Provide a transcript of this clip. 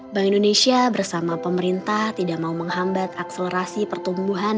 bank indonesia bersama pemerintah tidak mau menghambat akselerasi pertumbuhan